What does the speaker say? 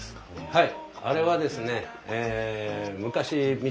はい。